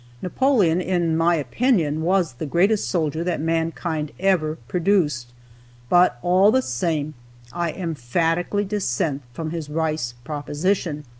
Napoleon, in my opinion, was the greatest soldier that mankind ever produced, but all the same, I emphatically dissent from his rice proposition.